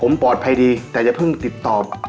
ผมปลอดภัยดีแต่อย่าเพิ่งติดต่อ